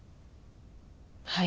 はい。